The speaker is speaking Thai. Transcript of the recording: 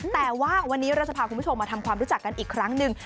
แต่ว่าวันนี้เราจะพาคุณผู้ชมมาทำความรู้จักกันอีกครั้งหนึ่ง